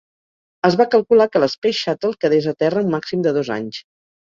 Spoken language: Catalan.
Es va calcular que la Space Shuttle quedés a terra un màxim de dos anys.